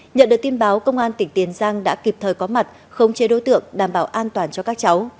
nhận được tin báo công an tỉnh tiền giang đã kịp thời có mặt khống chế đối tượng đảm bảo an toàn cho các cháu